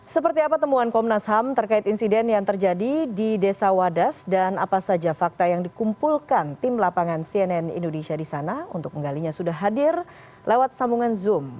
seperti apa temuan komnas ham terkait insiden yang terjadi di desa wadas dan apa saja fakta yang dikumpulkan tim lapangan cnn indonesia di sana untuk menggalinya sudah hadir lewat sambungan zoom